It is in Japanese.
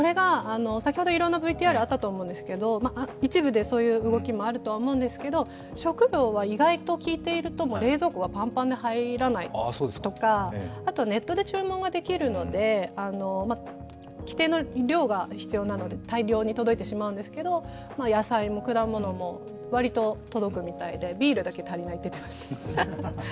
先ほどいろいろなＶＴＲがあったと思うんですが、一部でそういう動きもあると思うんですけど食料は意外と、冷蔵庫がパンパンで入らないとか、あとネットで注文ができるので、規定の量が必要なので大量に届いてしまうんですけど、野菜も果物も割と届くみたいでビールだけ足りないと言っていました。